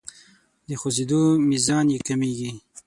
د خوځیدو میزان یې کمیږي.